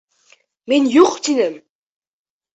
Мин, юҡ, тинем.